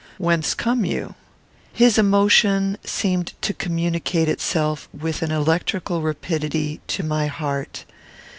Whence come you?" His emotion seemed to communicate itself, with an electrical rapidity, to my heart.